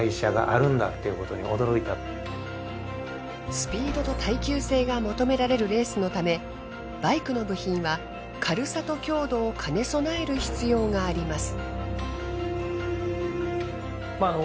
スピードと耐久性が求められるレースのためバイクの部品は軽さと強度を兼ね備える必要があります。